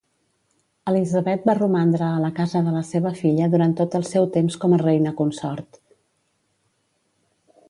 Elisabet va romandre a la casa de la seva filla durant tot el seu temps com a reina consort.